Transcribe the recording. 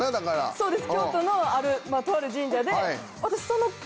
そうです。